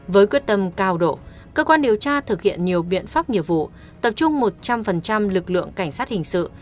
với quyết tâm cao độ cơ quan điều tra thực hiện nhiều biện pháp nghiệp vụ tập trung một trăm linh lực lượng cảnh sát hình sự